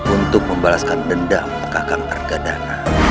untuk membalaskan dendam kakak tergadana